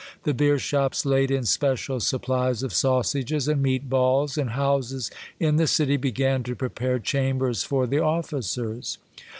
The beer shops laid in special suppHes of sausages and meat balls, and houses in the city began to prepare chambers for the officers.